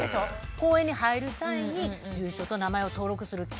公園に入る際に住所と名前を登録する規則を作って。